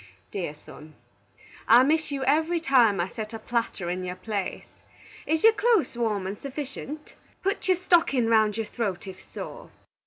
Dear son: I miss you every time I set a platter in your place. Is your close warm and suffitient? Put your stockin round your throat if sore.